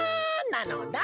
なのだ。